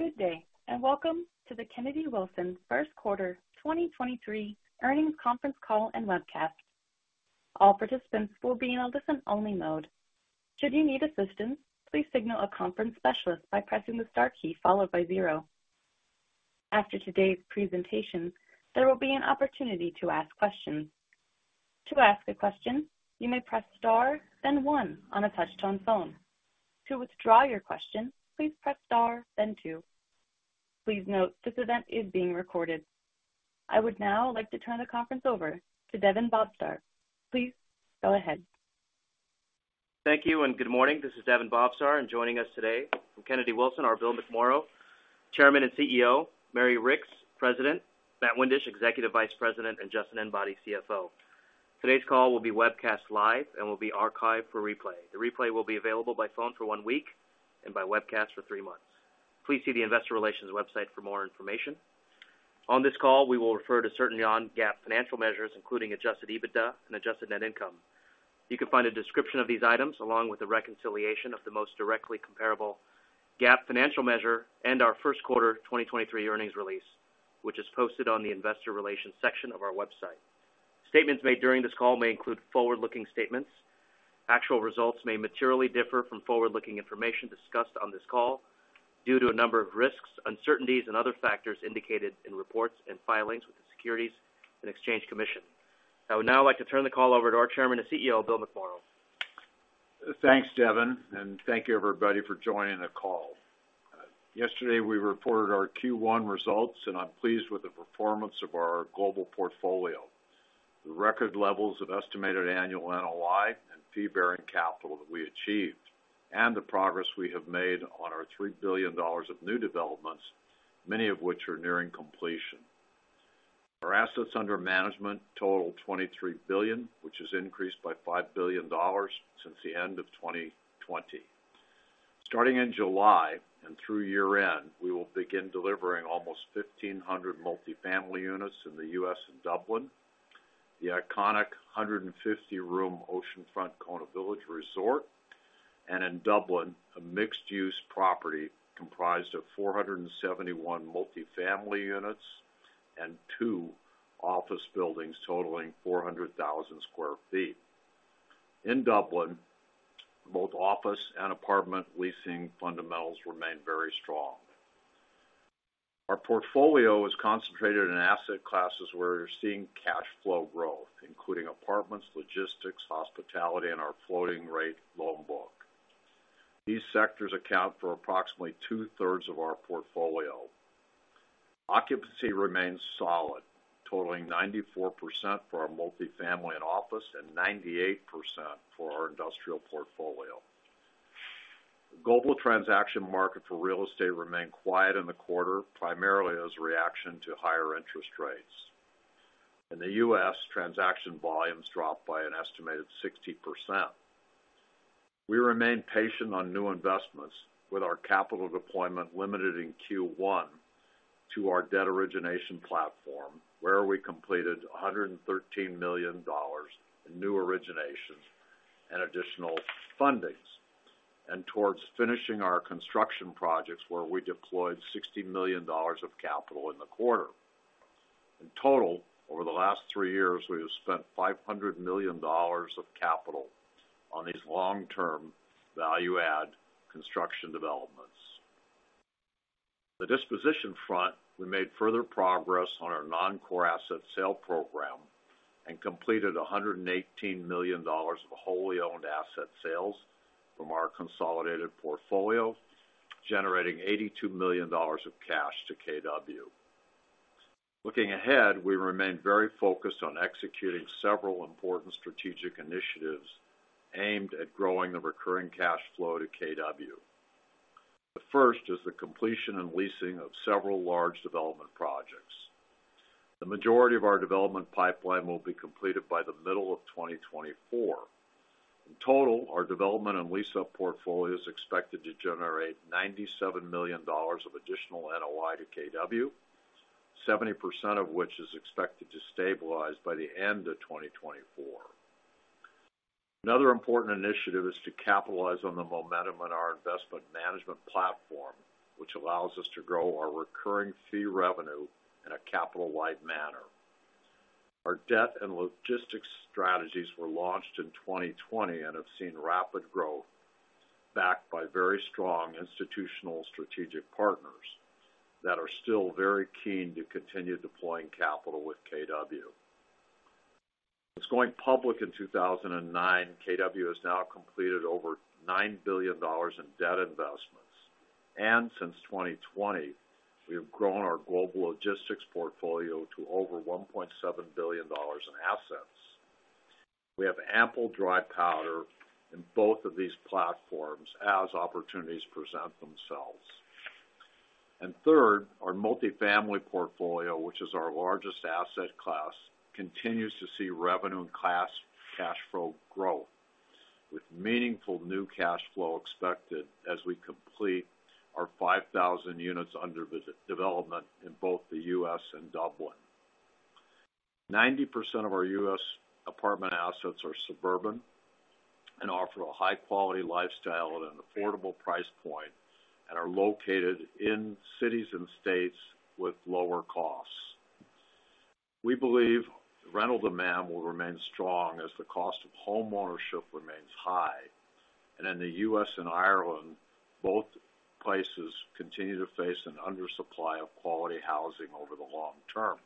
Good day, and welcome to the Kennedy Wilson first quarter 2023 earnings conference call and webcast. All participants will be in a listen-only mode. Should you need assistance, please signal a conference specialist by pressing the star key followed by zero. After today's presentation, there will be an opportunity to ask questions. To ask a question, you may press star, then one on a touch-tone phone. To withdraw your question, please press star then two. Please note this event is being recorded. I would now like to turn the conference over to Daven Bhavsar. Please go ahead. Thank you and good morning. This is Daven Bhavsar. Joining us today from Kennedy Wilson, are Bill McMorrow, Chairman and CEO, Mary Ricks, President, Matt Windisch, Executive Vice President, and Justin Enbody, CFO. Today's call will be webcast live and will be archived for replay. The replay will be available by phone for one week and by webcast for three months. Please see the investor relations website for more information. On this call, we will refer to certain non-GAAP financial measures, including adjusted EBITDA and adjusted net income. You can find a description of these items along with the reconciliation of the most directly comparable GAAP financial measure and our first quarter 2023 earnings release, which is posted on the investor relations section of our website. Statements made during this call may include forward-looking statements. Actual results may materially differ from forward-looking information discussed on this call due to a number of risks, uncertainties, and other factors indicated in reports and filings with the Securities and Exchange Commission. I would now like to turn the call over to our Chairman and CEO, William McMorrow. Thanks, Daven, thank you, everybody, for joining the call. Yesterday we reported our Q1 results, and I'm pleased with the performance of our global portfolio. The record levels of estimated annual NOI and fee-bearing capital that we achieved, and the progress we have made on our $3 billion of new developments, many of which are nearing completion. Our assets under management total $23 billion, which has increased by $5 billion since the end of 2020. Starting in July and through year-end, we will begin delivering almost 1,500 multi-family units in the U.S. and Dublin. The iconic 150-room oceanfront Kona Village Resort, and in Dublin, a mixed-use property comprised of 471 multi-family units and two office buildings totaling 400,000 sq ft. In Dublin, both office and apartment leasing fundamentals remain very strong. Our portfolio is concentrated in asset classes where we're seeing cash flow growth, including apartments, logistics, hospitality, and our floating rate loan book. These sectors account for approximately two-thirds of our portfolio. Occupancy remains solid, totaling 94% for our multi-family and office, and 98% for our industrial portfolio. The global transaction market for real estate remained quiet in the quarter, primarily as a reaction to higher interest rates. In the U.S., transaction volumes dropped by an estimated 60%. We remain patient on new investments with our capital deployment limited in Q1 to our debt origination platform, where we completed $113 million in new originations and additional fundings. Towards finishing our construction projects, where we deployed $60 million of capital in the quarter. In total, over the last three years, we have spent $500 million of capital on these long-term value add construction developments. The disposition front, we made further progress on our non-core asset sale program and completed $118 million of wholly owned asset sales from our consolidated portfolio, generating $82 million of cash to KW. Looking ahead, we remain very focused on executing several important strategic initiatives aimed at growing the recurring cash flow to KW. The first is the completion and leasing of several large development projects. The majority of our development pipeline will be completed by the middle of 2024. In total, our development and lease-up portfolio is expected to generate $97 million of additional NOI to KW, 70% of which is expected to stabilize by the end of 2024. Another important initiative is to capitalize on the momentum in our investment management platform, which allows us to grow our recurring fee revenue in a capital-wide manner. Our debt and logistics strategies were launched in 2020 and have seen rapid growth backed by very strong institutional strategic partners that are still very keen to continue deploying capital with KW. Since going public in 2009, KW has now completed over $9 billion in debt investments. Since 2020, we have grown our global logistics portfolio to over $1.7 billion in assets. We have ample dry powder in both of these platforms as opportunities present themselves. Third, our multifamily portfolio, which is our largest asset class, continues to see revenue and class cash flow growth with meaningful new cash flow expected as we complete our 5,000 units under development in both the U.S. and Dublin. 90% of our U.S. apartment assets are suburban and offer a high quality lifestyle at an affordable price point, and are located in cities and states with lower costs. We believe rental demand will remain strong as the cost of homeownership remains high. In the U.S. and Ireland, both places continue to face an undersupply of quality housing over the long term.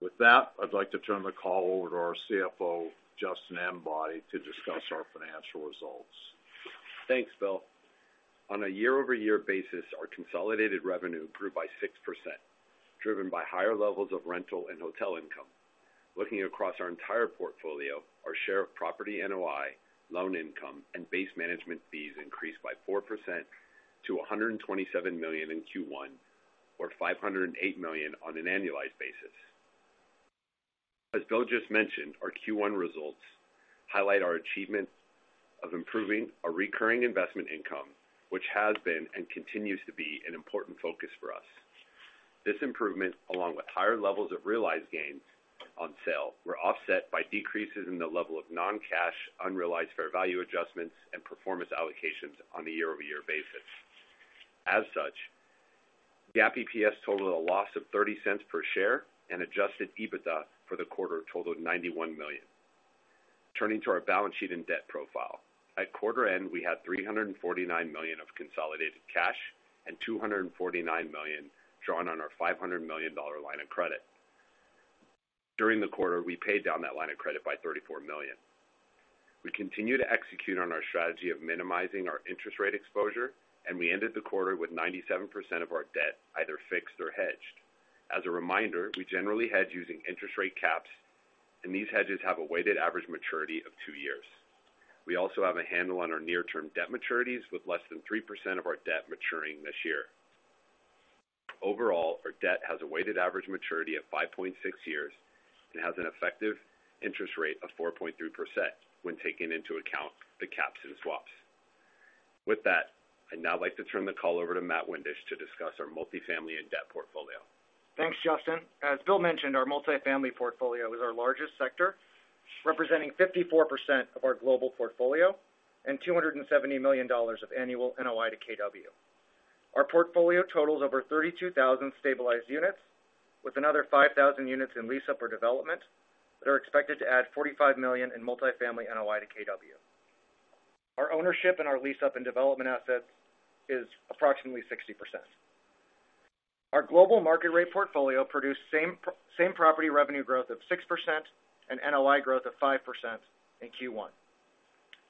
With that, I'd like to turn the call over to our CFO Justin Enbody to discuss our financial results. Thanks, Bill. On a year-over-year basis, our consolidated revenue grew by 6%, driven by higher levels of rental and hotel income. Looking across our entire portfolio, our share of property NOI, loan income, and base management fees increased by 4% to $127 million in Q1, or $508 million on an annualized basis. As Bill just mentioned, our Q1 results highlight our achievement of improving our recurring investment income, which has been and continues to be an important focus for us. This improvement, along with higher levels of realized gains on sale, were offset by decreases in the level of non-cash unrealized fair value adjustments and performance allocations on a year-over-year basis. GAAP EPS totaled a loss of $0.30 per share and adjusted EBITDA for the quarter totaled $91 million. Turning to our balance sheet and debt profile. At quarter end, we had $349 million of consolidated cash and $249 million drawn on our $500 million line of credit. During the quarter, we paid down that line of credit by $34 million. We continue to execute on our strategy of minimizing our interest rate exposure, and we ended the quarter with 97% of our debt either fixed or hedged. As a reminder, we generally hedge using interest rate caps, and these hedges have a weighted average maturity of two years. We also have a handle on our near-term debt maturities, with less than 3% of our debt maturing this year. Overall, our debt has a weighted average maturity of 5.6 years and has an effective interest rate of 4.3% when taking into account the caps and swaps. With that, I'd now like to turn the call over to Matt Windisch to discuss our multifamily and debt portfolio. Thanks, Justin. As Bill mentioned, our multifamily portfolio is our largest sector, representing 54% of our global portfolio and $270 million of annual NOI to KW. Our portfolio totals over 32,000 stabilized units, with another 5,000 units in lease up or development that are expected to add $45 million in multifamily NOI to KW. Our ownership in our leased up and development assets is approximately 60%. Our global market rate portfolio produced same-property revenue growth of 6% and NOI growth of 5% in Q1.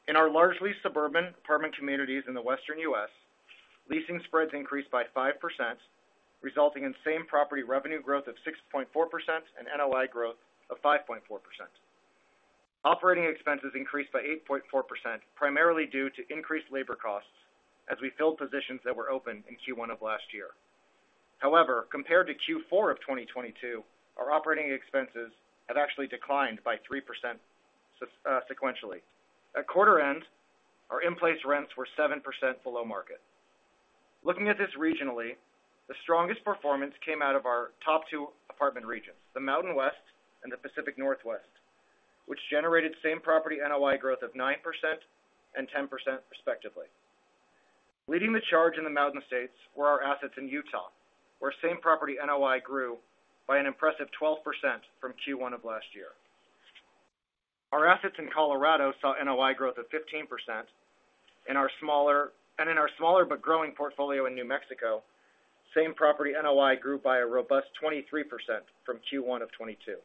In our largely suburban apartment communities in the Western U.S., leasing spreads increased by 5%, resulting in same-property revenue growth of 6.4% and NOI growth of 5.4%. Operating expenses increased by 8.4%, primarily due to increased labor costs as we filled positions that were open in Q1 of last year. However, compared to Q4 of 2022, our operating expenses have actually declined by 3% sequentially. At quarter end, our in-place rents were 7% below market. Looking at this regionally, the strongest performance came out of our top two apartment regions, the Mountain West and the Pacific Northwest, which generated same-property NOI growth of 9% and 10% respectively. Leading the charge in the Mountain States were our assets in Utah, where same-property NOI grew by an impressive 12% from Q1 of last year. Our assets in Colorado saw NOI growth of 15%. In our smaller but growing portfolio in New Mexico, same-property NOI grew by a robust 23% from Q1 of 2022.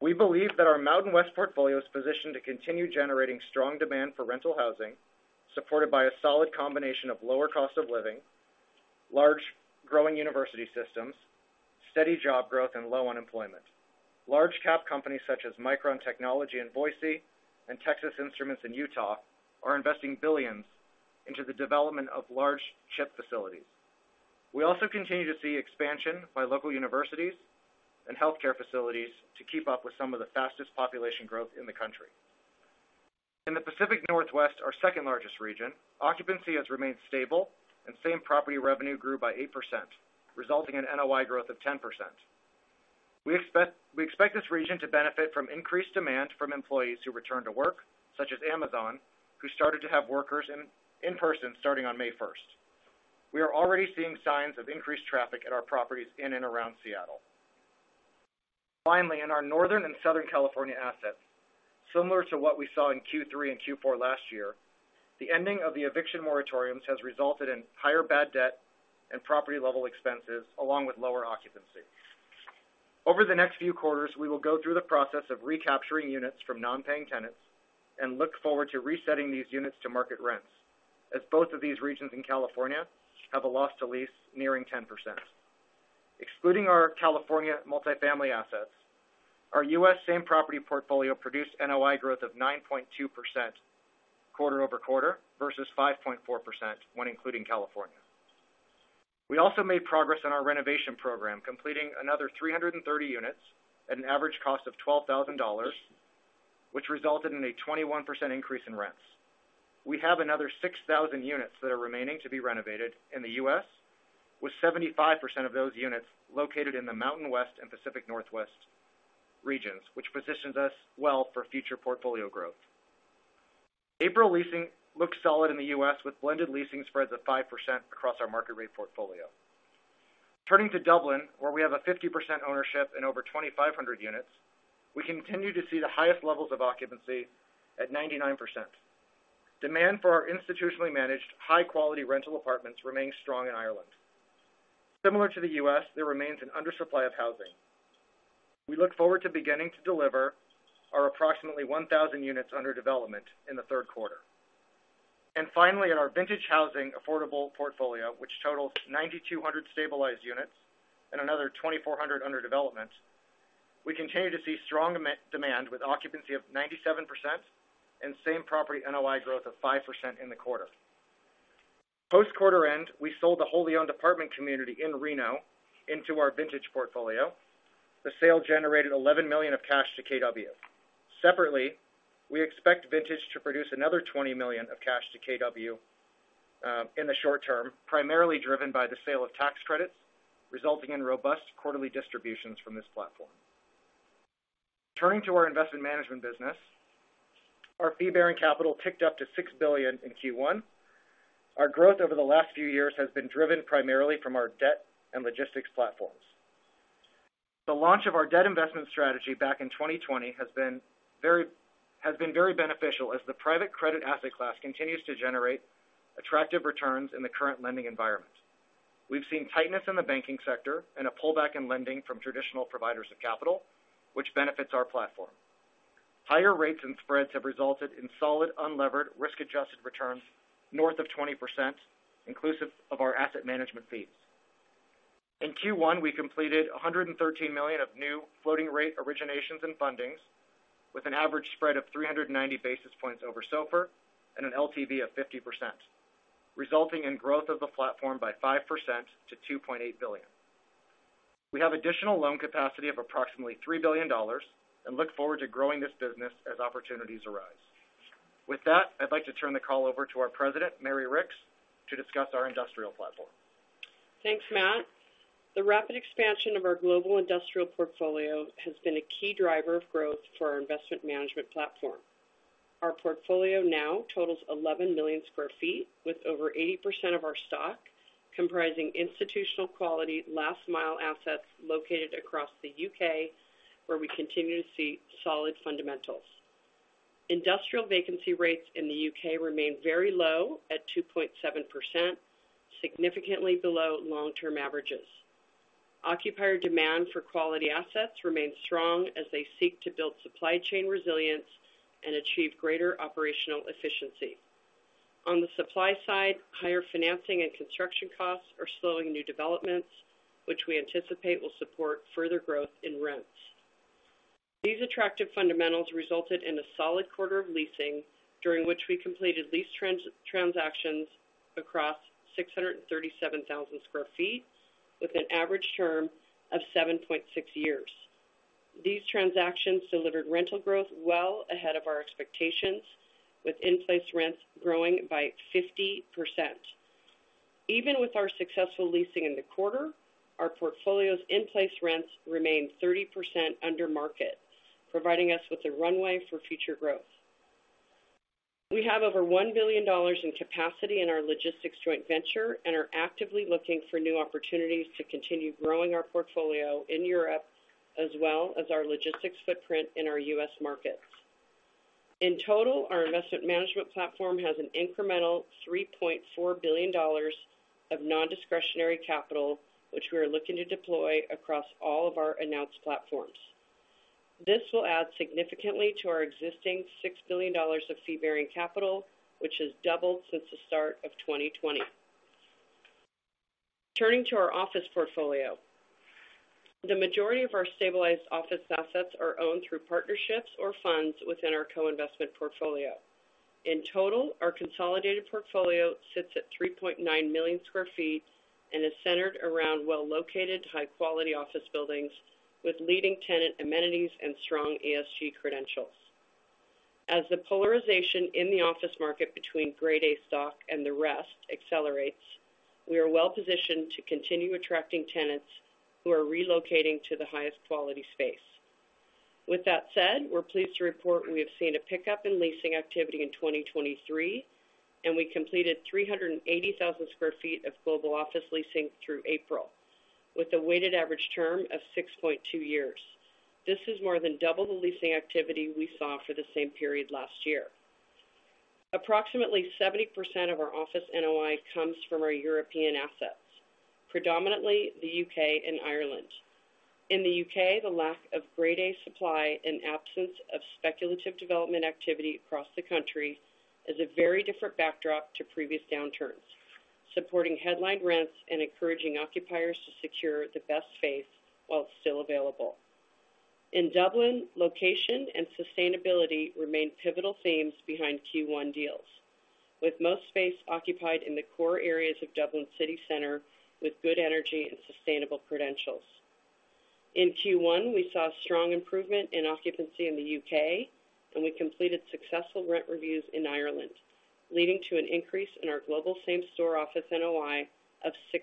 We believe that our Mountain West portfolio is positioned to continue generating strong demand for rental housing, supported by a solid combination of lower cost of living, large growing university systems, steady job growth, and low unemployment. Large cap companies such as Micron Technology in Boise and Texas Instruments in Utah are investing $billions into the development of large chip facilities. We also continue to see expansion by local universities and healthcare facilities to keep up with some of the fastest population growth in the country. In the Pacific Northwest, our second-largest region, occupancy has remained stable and same-property revenue grew by 8%, resulting in NOI growth of 10%. We expect this region to benefit from increased demand from employees who return to work, such as Amazon, who started to have workers in person starting on May 1st. We are already seeing signs of increased traffic at our properties in and around Seattle. In our Northern and Southern California assets, similar to what we saw in Q3 and Q4 last year, the ending of the eviction moratoriums has resulted in higher bad debt and property-level expenses, along with lower occupancy. Over the next few quarters, we will go through the process of recapturing units from non-paying tenants and look forward to resetting these units to market rents, as both of these regions in California have a loss to lease nearing 10%. Excluding our California multifamily assets, our US same-property portfolio produced NOI growth of 9.2% quarter-over-quarter versus 5.4% when including California. We also made progress on our renovation program, completing another 330 units at an average cost of $12,000, which resulted in a 21% increase in rents. We have another 6,000 units that are remaining to be renovated in the US, with 75% of those units located in the Mountain West and Pacific Northwest regions, which positions us well for future portfolio growth. April leasing looks solid in the US, with blended leasing spreads of 5% across our market rate portfolio. Turning to Dublin, where we have a 50% ownership in over 2,500 units, we continue to see the highest levels of occupancy at 99%. Demand for our institutionally managed, high-quality rental apartments remains strong in Ireland. Similar to the US, there remains an undersupply of housing. We look forward to beginning to deliver our approximately 1,000 units under development in the third quarter. In our Vintage Housing affordable portfolio, which totals 9,200 stabilized units and another 2,400 under development, we continue to see strong demand with occupancy of 97% and same-property NOI growth of 5% in the quarter. Post quarter end, we sold the wholly owned apartment community in Reno into our Vintage portfolio. The sale generated $11 million of cash to KW. We expect Vintage to produce another $20 million of cash to KW in the short term, primarily driven by the sale of tax credits, resulting in robust quarterly distributions from this platform. Turning to our investment management business, our fee-bearing capital ticked up to $6 billion in Q1. Our growth over the last few years has been driven primarily from our debt and logistics platforms. The launch of our debt investment strategy back in 2020 has been very beneficial as the private credit asset class continues to generate attractive returns in the current lending environment. We've seen tightness in the banking sector and a pullback in lending from traditional providers of capital, which benefits our platform. Higher rates and spreads have resulted in solid, unlevered risk-adjusted returns north of 20%, inclusive of our asset management fees. In Q1, we completed $113 million of new floating rate originations and fundings with an average spread of 390 basis points over SOFR and an LTV of 50%, resulting in growth of the platform by 5% to $2.8 billion. We have additional loan capacity of approximately $3 billion and look forward to growing this business as opportunities arise. With that, I'd like to turn the call over to our president, Mary Ricks, to discuss our industrial platform. Thanks, Matt. The rapid expansion of our global industrial portfolio has been a key driver of growth for our investment management platform. Our portfolio now totals 11 million sq ft, with over 80% of our stock comprising institutional quality last mile assets located across the U.K., where we continue to see solid fundamentals. Industrial vacancy rates in the U.K. remain very low at 2.7%, significantly below long-term averages. Occupier demand for quality assets remains strong as they seek to build supply chain resilience and achieve greater operational efficiency. On the supply side, higher financing and construction costs are slowing new developments, which we anticipate will support further growth in rents. These attractive fundamentals resulted in a solid quarter of leasing, during which we completed lease transactions across 637,000 sq ft with an average term of 7.6 years. These transactions delivered rental growth well ahead of our expectations, with in-place rents growing by 50%. Even with our successful leasing in the quarter, our portfolio's in-place rents remain 30% under market, providing us with a runway for future growth. We have over $1 billion in capacity in our logistics joint venture and are actively looking for new opportunities to continue growing our portfolio in Europe, as well as our logistics footprint in our U.S. markets. In total, our investment management platform has an incremental $3.4 billion of nondiscretionary capital, which we are looking to deploy across all of our announced platforms. This will add significantly to our existing $6 billion of fee-bearing capital, which has doubled since the start of 2020. Turning to our office portfolio. The majority of our stabilized office assets are owned through partnerships or funds within our co-investment portfolio. In total, our consolidated portfolio sits at 3.9 million sq ft and is centered around well-located, high-quality office buildings with leading tenant amenities and strong ESG credentials. As the polarization in the office market between Grade A stock and the rest accelerates, we are well positioned to continue attracting tenants who are relocating to the highest quality space. With that said, we're pleased to report we have seen a pickup in leasing activity in 2023, and we completed 380,000 sq ft of global office leasing through April with a weighted average term of 6.2 years. This is more than double the leasing activity we saw for the same period last year. Approximately 70% of our office NOI comes from our European assets, predominantly the UK and Ireland. In the UK, the lack of Grade A supply and absence of speculative development activity across the country is a very different backdrop to previous downturns, supporting headline rents and encouraging occupiers to secure the best space while it's still available. In Dublin, location and sustainability remain pivotal themes behind Q1 deals. With most space occupied in the core areas of Dublin City Center with good energy and sustainable credentials. In Q1, we saw strong improvement in occupancy in the UK, and we completed successful rent reviews in Ireland, leading to an increase in our global same-store office NOI of 6%.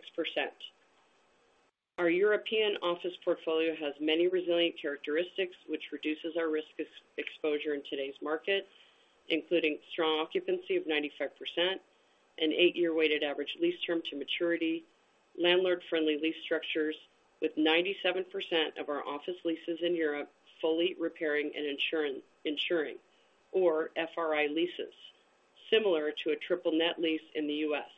Our European office portfolio has many resilient characteristics, which reduces our risk ex-exposure in today's market, including strong occupancy of 95%, an eight year weighted average lease term to maturity, landlord-friendly lease structures with 97% of our office leases in Europe full repairing and ensuring, or FRI leases, similar to a triple net lease in the US.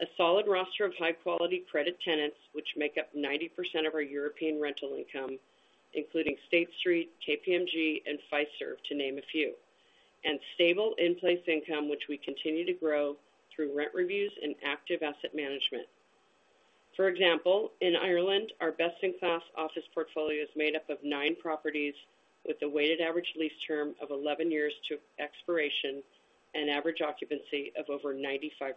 A solid roster of high-quality credit tenants, which make up 90% of our European rental income, including State Street, KPMG, and Fiserv, to name a few, and stable in-place income, which we continue to grow through rent reviews and active asset management. For example, in Ireland, our best-in-class office portfolio is made up of nine properties with a weighted average lease term of 11 years to expiration and average occupancy of over 95%.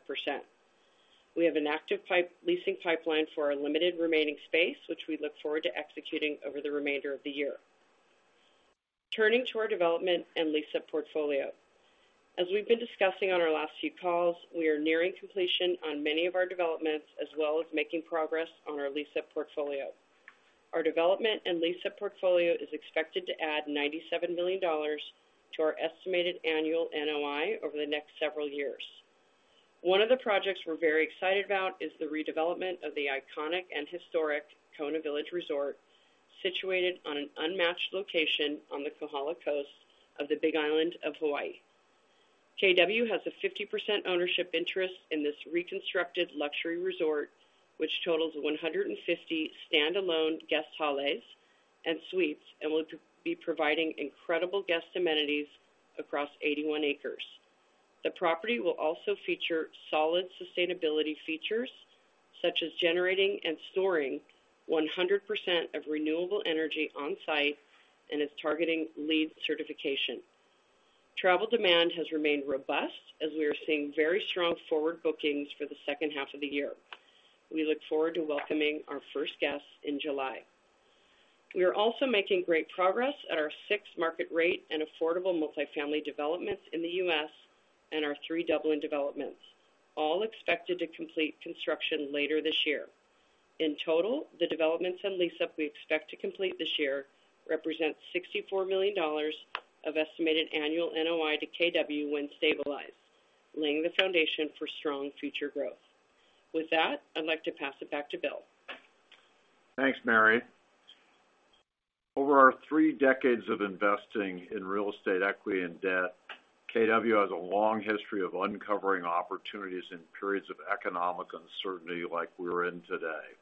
We have an active leasing pipeline for our limited remaining space, which we look forward to executing over the remainder of the year. Turning to our development and lease-up portfolio. As we've been discussing on our last few calls, we are nearing completion on many of our developments, as well as making progress on our lease-up portfolio. Our development and lease-up portfolio is expected to add $97 million to our estimated annual NOI over the next several years. One of the projects we're very excited about is the redevelopment of the iconic and historic Kona Village Resort, situated on an unmatched location on the Kohala Coast of the Big Island of Hawaii. KW has a 50% ownership interest in this reconstructed luxury resort, which totals 150 stand-alone guest chalets and suites and will be providing incredible guest amenities across 81 acres. The property will also feature solid sustainability features, such as generating and storing 100% of renewable energy on-site and is targeting LEED certification. Travel demand has remained robust as we are seeing very strong forward bookings for the second half of the year. We look forward to welcoming our first guests in July. We are also making great progress at our six market-rate and affordable multifamily developments in the U.S. and our 3three Dublin developments, all expected to complete construction later this year. In total, the developments and lease-up we expect to complete this year represent $64 million of estimated annual NOI to KW when stabilized, laying the foundation for strong future growth. With that, I'd like to pass it back to Bill. Thanks, Mary. Over our three decades of investing in real estate equity and debt, KW has a long history of uncovering opportunities in periods of economic uncertainty like we're in today.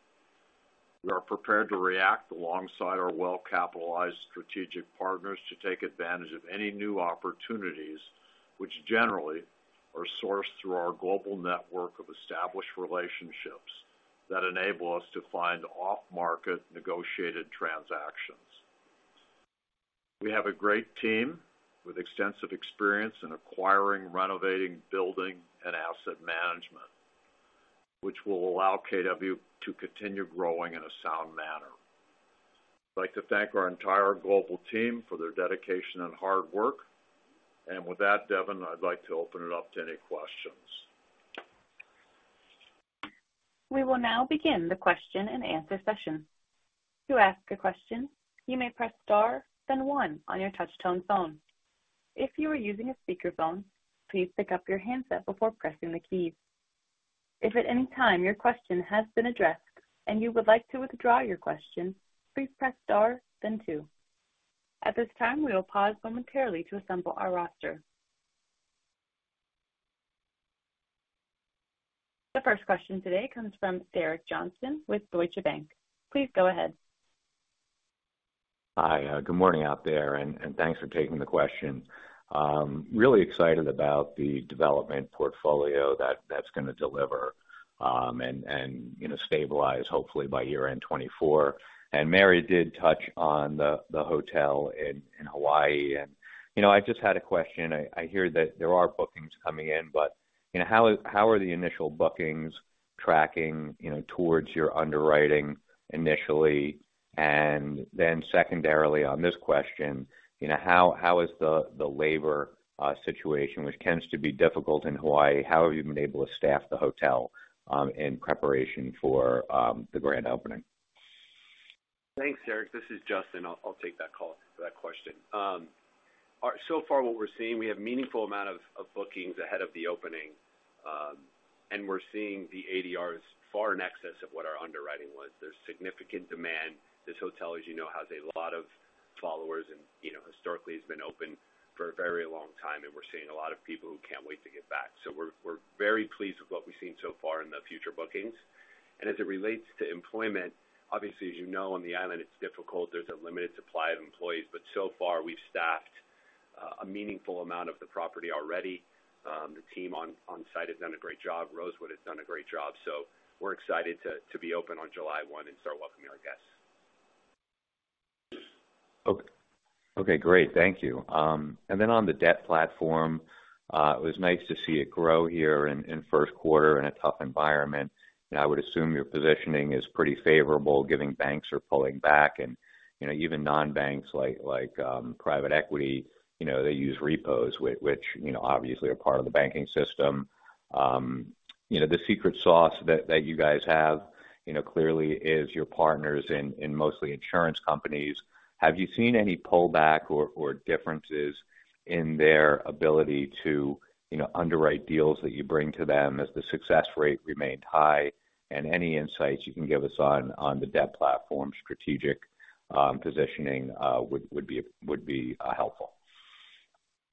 We are prepared to react alongside our well-capitalized strategic partners to take advantage of any new opportunities, which generally are sourced through our global network of established relationships that enable us to find off-market negotiated transactions. We have a great team with extensive experience in acquiring, renovating, building, and asset management, which will allow KW to continue growing in a sound manner. I'd like to thank our entire global team for their dedication and hard work. With that, Devin, I'd like to open it up to any questions. We will now begin the question-and-answer session. To ask a question, you may press Star, then One on your touch tone phone. If you are using a speakerphone, please pick up your handset before pressing the keys. If at any time your question has been addressed and you would like to withdraw your question, please press star then Two. At this time, we will pause momentarily to assemble our roster. The first question today comes from Derek Johnston with Deutsche Bank. Please go ahead. Hi, good morning out there, and thanks for taking the question. Really excited about the development portfolio that's gonna deliver, and, you know, stabilize hopefully by year-end 2024. Mary did touch on the hotel in Hawaii. You know, I just had a question. I hear that there are bookings coming in, but, you know, how are the initial bookings tracking, you know, towards your underwriting initially? Secondarily on this question, you know, how is the labor situation, which tends to be difficult in Hawaii, how have you been able to staff the hotel in preparation for the grand opening? Thanks, Derek. This is Justin. I'll take that question. So far what we're seeing, we have meaningful amount of bookings ahead of the opening, and we're seeing the ADRs far in excess of what our underwriting was. There's significant demand. This hotel, as you know, has a lot of followers and, you know, historically has been open for a very long time, and we're seeing a lot of people who can't wait to get back. We're very pleased with what we've seen so far in the future bookings. As it relates to employment, obviously, as you know, on the island, it's difficult. There's a limited supply of employees, but so far, we've staffed a meaningful amount of the property already. The team on-site has done a great job. Rosewood has done a great job. We're excited to be open on July 1 and start welcoming our guests. Okay, great. Thank you. On the debt platform, it was nice to see it grow here in first quarter in a tough environment. I would assume your positioning is pretty favorable given banks are pulling back and, you know, even non-banks like private equity, you know, they use repos which, you know, obviously are part of the banking system. You know, the secret sauce that you guys have, you know, clearly is your partners in mostly insurance companies. Have you seen any pullback or differences in their ability to, you know, underwrite deals that you bring to them as the success rate remained high? Any insights you can give us on the debt platform strategic positioning would be helpful.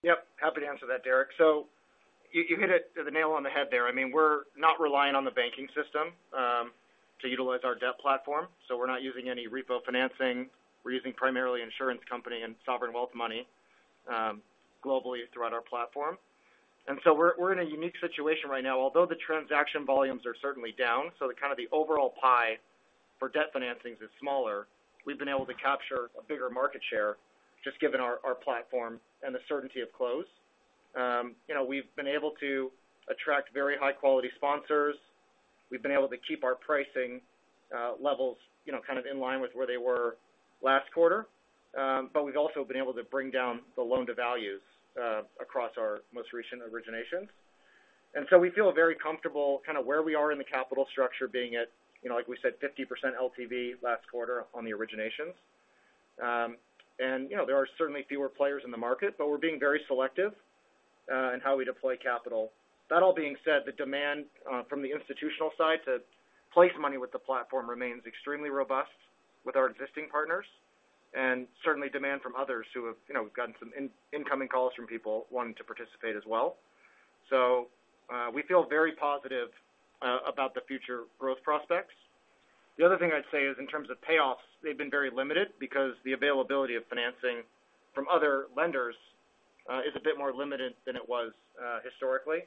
Yep. Happy to answer that, Derek. You hit it to the nail on the head there. I mean, we're not relying on the banking system to utilize our debt platform, so we're not using any repo financing. We're using primarily insurance company and sovereign wealth money globally throughout our platform. We're in a unique situation right now. Although the transaction volumes are certainly down, so kind of the overall pie for debt financings is smaller, we've been able to capture a bigger market share just given our platform and the certainty of close. You know, we've been able to attract very high quality sponsors. We've been able to keep our pricing levels, you know, kind of in line with where they were last quarter. We've also been able to bring down the loan to values across our most recent originations. We feel very comfortable kind of where we are in the capital structure being at, you know, like we said, 50% LTV last quarter on the originations. You know, there are certainly fewer players in the market, but we're being very selective in how we deploy capital. That all being said, the demand from the institutional side to place money with the platform remains extremely robust with our existing partners and certainly demand from others who have, you know, gotten some incoming calls from people wanting to participate as well. We feel very positive about the future growth prospects. The other thing I'd say is in terms of payoffs, they've been very limited because the availability of financing from other lenders, is a bit more limited than it was, historically.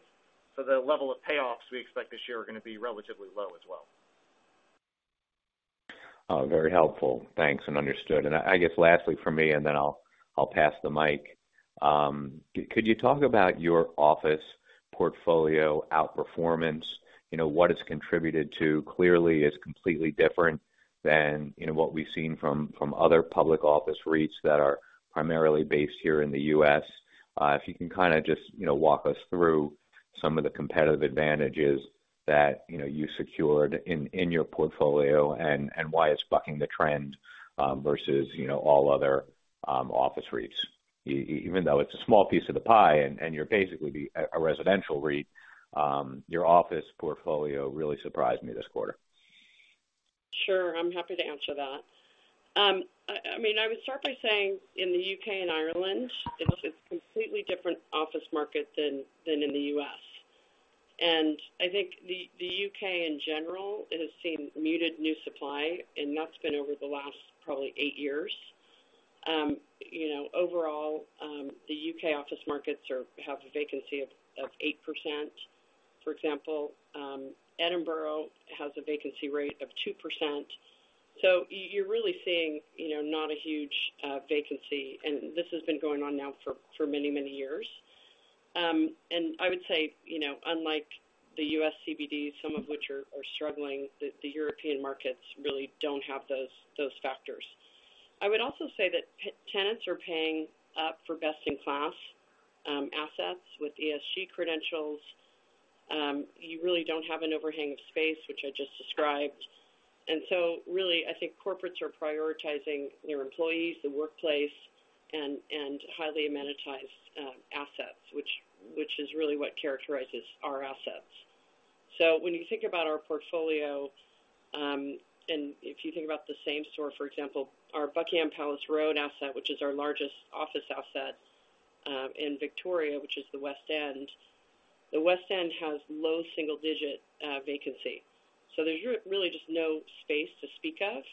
The level of payoffs we expect this year are gonna be relatively low as well. Very helpful. Thanks, and understood. I guess lastly from me, and then I'll pass the mic. Could you talk about your office portfolio outperformance? You know, what it's contributed to clearly is completely different than, you know, what we've seen from other public office REITs that are primarily based here in the U.S. You can kind of just, you know, walk us through some of the competitive advantages that, you know, you secured in your portfolio and why it's bucking the trend, versus, you know, all other office REITs. Even though it's a small piece of the pie and you're basically a residential REIT, your office portfolio really surprised me this quarter. Sure. I'm happy to answer that. I mean, I would start by saying in the U.K. and Ireland, it's a completely different office market than in the U.S. I think the U.K. in general, it has seen muted new supply, and that's been over the last probably eight years. You know, overall, the U.K. office markets have a vacancy of 8%, for example. Edinburgh has a vacancy rate of 2%. You're really seeing, you know, not a huge vacancy, and this has been going on now for many years. I would say, you know, unlike the U.S. CBDs, some of which are struggling, the European markets really don't have those factors. I would also say that tenants are paying up for best-in-class assets with ESG credentials. You really don't have an overhang of space, which I just described. Really, I think corporates are prioritizing their employees, the workplace and highly amenitized assets, which is really what characterizes our assets. When you think about our portfolio, and if you think about the same store, for example, our Buckingham Palace Road asset, which is our largest office asset, in Victoria, which is the West End. The West End has low single digit vacancy. There's really just no space to speak of,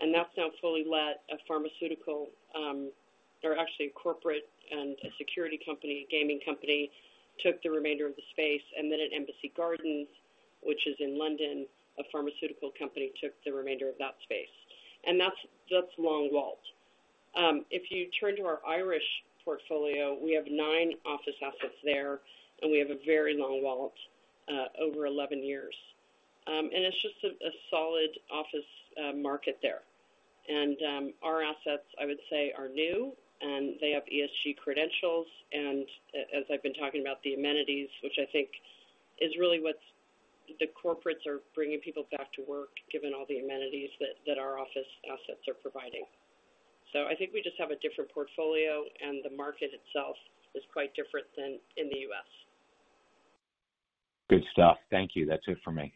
and that's now fully let actually a corporate and a security company, gaming company took the remainder of the space. At Embassy Gardens, which is in London, a pharmaceutical company took the remainder of that space. That's long walled. If you turn to our Irish portfolio, we have nine office assets there, and we have a very long walled over 11 years. It's just a solid office market there. Our assets, I would say, are new, and they have ESG credentials. As I've been talking about the amenities, which I think is really what the corporates are bringing people back to work given all the amenities that our office assets are providing. I think we just have a different portfolio and the market itself is quite different than in the U.S. Good stuff. Thank you. That's it for me.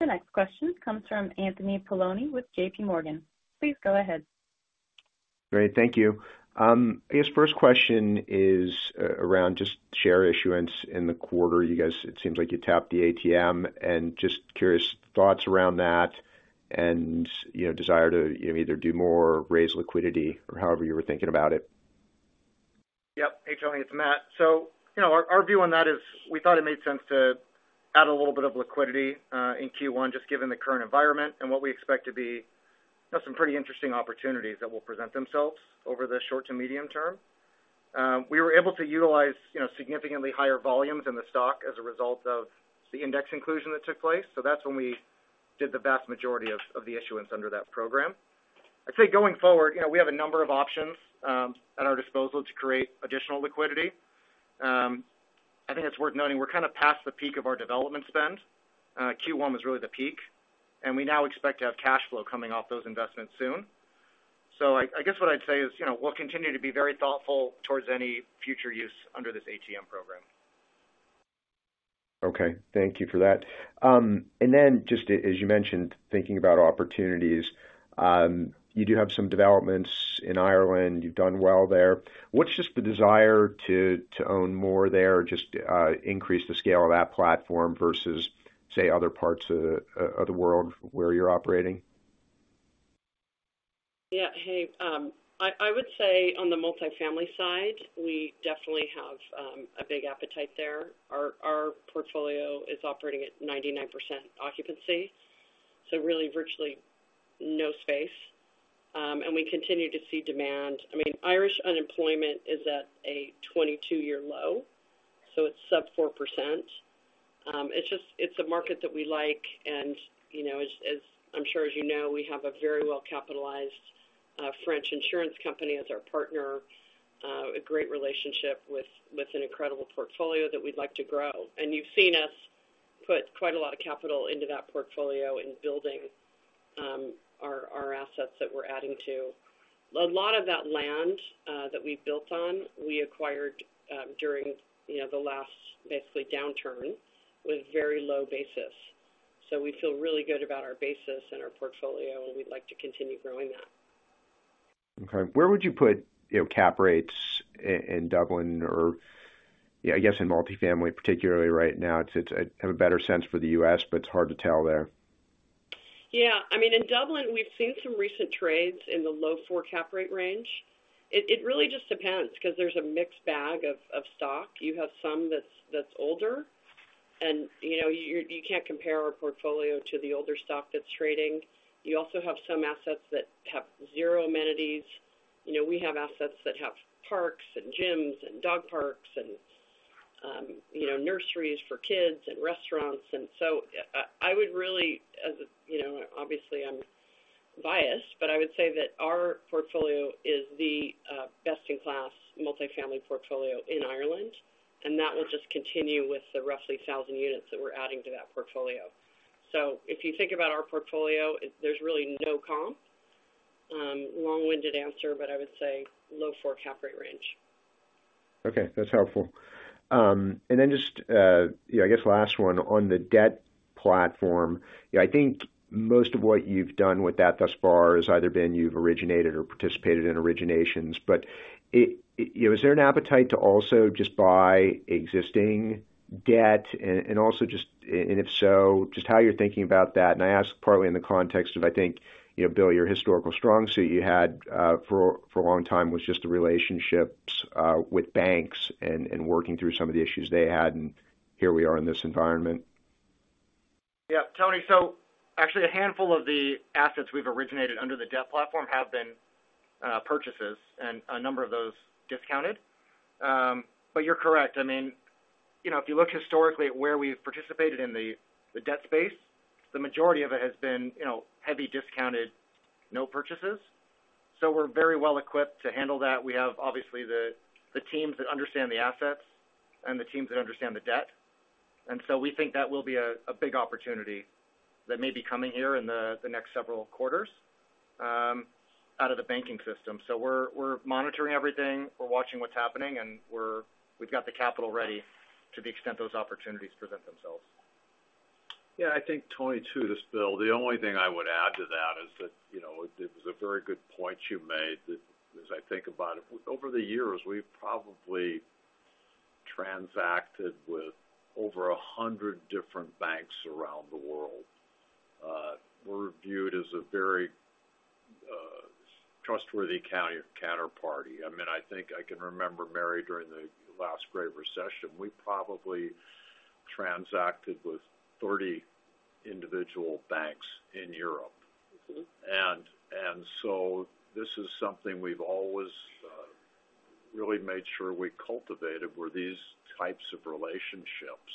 Great. The next question comes from Anthony Paolone with JPMorgan. Please go ahead. Great. Thank you. I guess first question is around just share issuance in the quarter. You guys, it seems like you tapped the ATM and just curious thoughts around that and, you know, desire to either do more or raise liquidity or however you were thinking about it? Yep. Hey, Tony, it's Matt. You know, our view on that is we thought it made sense to add a little bit of liquidity, in Q1 just given the current environment and what we expect to be, you know, some pretty interesting opportunities that will present themselves over the short to medium term. We were able to utilize, you know, significantly higher volumes in the stock as a result of the index inclusion that took place. That's when we did the vast majority of the issuance under that program. I'd say going forward, you know, we have a number of options, at our disposal to create additional liquidity. I think it's worth noting we're kinda past the peak of our development spend. Q1 was really the peak, and we now expect to have cash flow coming off those investments soon. I guess what I'd say is, you know, we'll continue to be very thoughtful towards any future use under this ATM program. Okay. Thank you for that. Just as you mentioned, thinking about opportunities, you do have some developments in Ireland. You've done well there. What's just the desire to own more there, just increase the scale of that platform versus, say, other parts of the world where you're operating? Yeah. Hey, I would say on the multifamily side, we definitely have a big appetite there. Our portfolio is operating at 99% occupancy, so really virtually no space. We continue to see demand. I mean Irish unemployment is at a 22 year low, so it's sub 4%. It's just it's a market that we like and, you know, as I'm sure as you know, we have a very well-capitalized French insurance company as our partner, a great relationship with an incredible portfolio that we'd like to grow. You've seen us put quite a lot of capital into that portfolio in building our assets that we're adding to. A lot of that land that we built on, we acquired during, you know, the last basically downturn with very low basis. We feel really good about our basis and our portfolio, and we'd like to continue growing that. Okay. Where would you put, you know, cap rates in Dublin or, yeah, I guess in multifamily, particularly right now? It's have a better sense for the US, but it's hard to tell there. Yeah. I mean, in Dublin, we've seen some recent trades in the low four cap rate range. It really just depends 'cause there's a mixed bag of stock. You have some that's older, and, you know, you can't compare our portfolio to the older stock that's trading. You also have some assets that have zero amenities. You know, we have assets that have parks and gyms and dog parks and, you know, nurseries for kids and restaurants. I would really, as a, you know, obviously, I'm biased, but I would say that our portfolio is the best-in-class multifamily portfolio in Ireland, and that will just continue with the roughly 1,000 units that we're adding to that portfolio. If you think about our portfolio, there's really no comp. Long-winded answer, but I would say low four cap rate range. Okay. That's helpful. Just, you know, I guess last one on the debt platform. You know, I think most of what you've done with that thus far has either been you've originated or participated in originations. Is there an appetite to also just buy existing debt? Also just, and if so, just how you're thinking about that, and I ask partly in the context of, I think, you know, Bill, your historical strong suit you had, for a long time was just the relationships, with banks and working through some of the issues they had, and here we are in this environment? Tony, so actually a handful of the assets we've originated under the debt platform have been purchases, and a number of those discounted. You're correct. I mean, you know, if you look historically at where we've participated in the debt space, the majority of it has been, you know, heavy discounted, no purchases. We're very well equipped to handle that. We have obviously the teams that understand the assets and the teams that understand the debt. We think that will be a big opportunity that may be coming here in the next several quarters out of the banking system. We're monitoring everything. We're watching what's happening, and we've got the capital ready to the extent those opportunities present themselves. Yeah, I think, Tony, to this, Bill, the only thing I would add to that is that, you know, it was a very good point you made that as I think about it, with over the years, we've probably transacted with over 100 different banks around the world. We're viewed as a very trustworthy counterparty. I mean, I think I can remember, Mary, during the last Great Recession, we probably transacted with 30 individual banks in Europe. Mm-hmm. This is something we've always really made sure we cultivated were these types of relationships.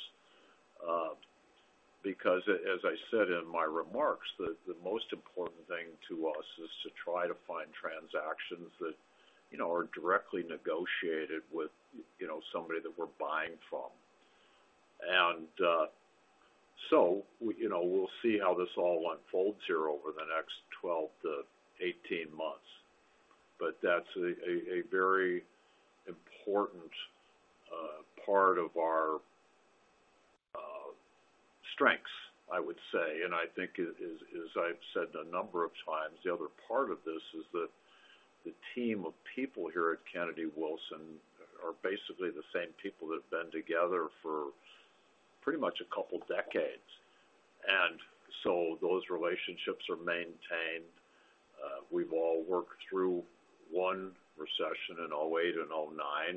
As I said in my remarks, the most important thing to us is to try to find transactions that, you know, are directly negotiated with, you know, somebody that we're buying from. We, you know, we'll see how this all unfolds here over the next 12 to 18 months. That's a very important part of our strengths, I would say. I think as I've said a number of times, the other part of this is that the team of people here at Kennedy Wilson are basically the same people that have been together for pretty much a couple decades. Those relationships are maintained. We've all worked through one recession in 2008 and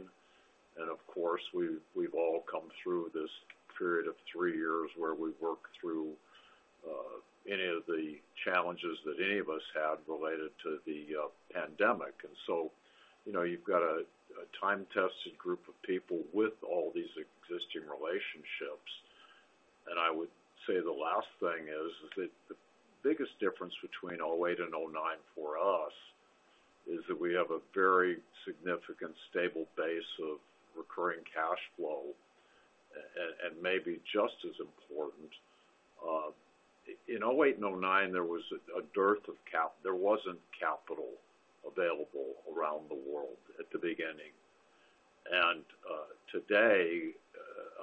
2009. Of course, we've all come through this period of three years where we've worked through any of the challenges that any of us had related to the pandemic. You know, you've got a time-tested group of people with all these existing relationships. I would say the last thing is that the biggest difference between 2008 and 2009 for us is that we have a very significant stable base of recurring cash flow. Maybe just as important, in 2008 and 2009, there was a dearth of cap. There wasn't capital available around the world at the beginning. Today,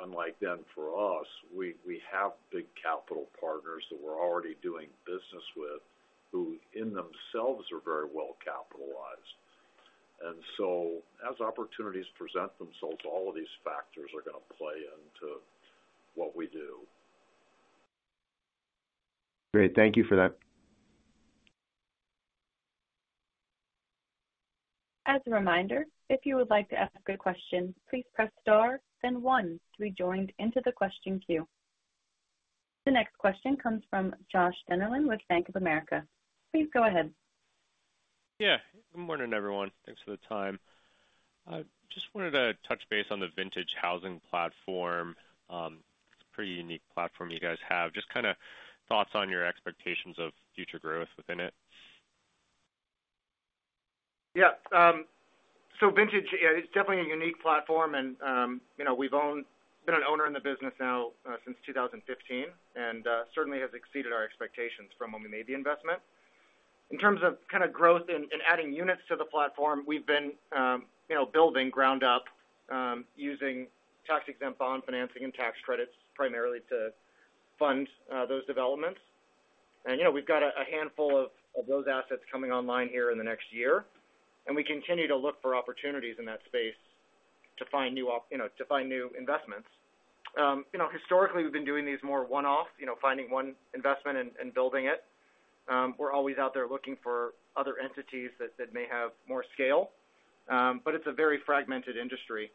unlike then for us, we have big capital partners that we're already doing business with, who in themselves are very well capitalized. As opportunities present themselves, all of these factors are gonna play into what we do. Great. Thank you for that. As a reminder, if you would like to ask a question, please press star then one to be joined into the question queue. The next question comes from Joshua Dennerlein with Bank of America. Please go ahead. Good morning, everyone. Thanks for the time. I just wanted to touch base on the Vintage Housing platform. It's a pretty unique platform you guys have. Just kinda thoughts on your expectations of future growth within it. Vintage, it's definitely a unique platform and, you know, we've been an owner in the business now, since 2015, and certainly has exceeded our expectations from when we made the investment. In terms of kind of growth and adding units to the platform, we've been, you know, building ground up, using tax-exempt bond financing and tax credits primarily to fund those developments. You know, we've got a handful of those assets coming online here in the next year, and we continue to look for opportunities in that space to find new, you know, to find new investments. You know, historically, we've been doing these more one-off, you know, finding one investment and building it. We're always out there looking for other entities that may have more scale. It's a very fragmented industry.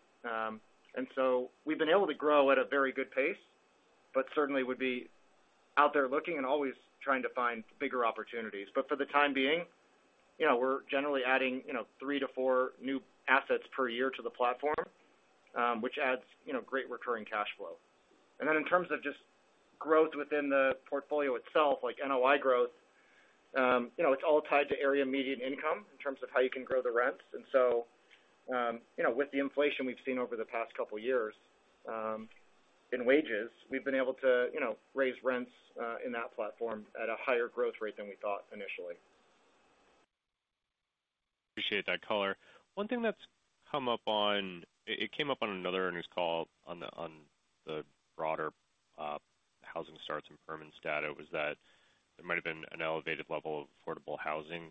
We've been able to grow at a very good pace, but certainly would be out there looking and always trying to find bigger opportunities. For the time being, you know, we're generally adding, you know, 3-4 new assets per year to the platform, which adds, you know, great recurring cash flow. Then in terms of just growth within the portfolio itself, like NOI growth, you know, it's all tied to area median income in terms of how you can grow the rents. You know, with the inflation we've seen over the past couple years, in wages, we've been able to, you know, raise rents in that platform at a higher growth rate than we thought initially. Appreciate that color. One thing that's come up on... It came up on another earnings call on the broader housing starts and permits data, was that there might have been an elevated level of affordable housing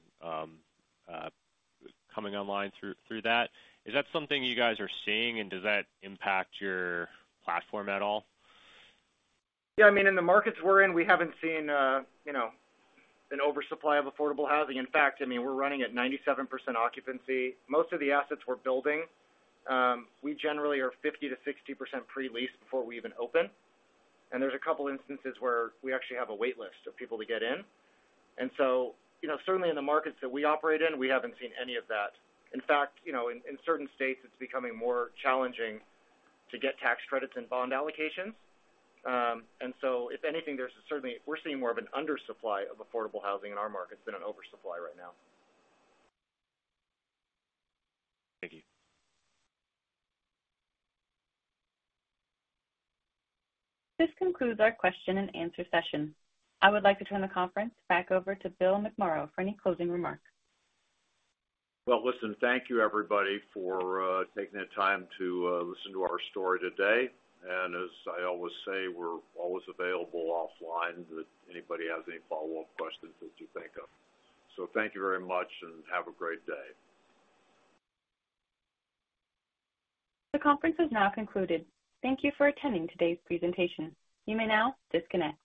coming online through that. Is that something you guys are seeing, and does that impact your platform at all? Yeah. I mean, in the markets we're in, we haven't seen, you know, an oversupply of affordable housing. In fact, I mean, we're running at 97% occupancy. Most of the assets we're building, we generally are 50%-60% pre-leased before we even open. There's a couple instances where we actually have a wait list of people to get in. You know, certainly in the markets that we operate in, we haven't seen any of that. In fact, you know, in certain states, it's becoming more challenging to get tax credits and bond allocations. If anything, we're seeing more of an undersupply of affordable housing in our markets than an oversupply right now. Thank you. This concludes our question-and-answer session. I would like to turn the conference back over to William McMorrow for any closing remarks. Well, listen, thank you, everybody, for taking the time to listen to our story today. As I always say, we're always available offline if anybody has any follow-up questions that you think of. Thank you very much, and have a great day. The conference has now concluded. Thank you for attending today's presentation. You may now disconnect.